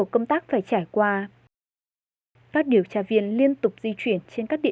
cuộc đấu trí khép lại